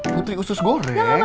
putri usus goreng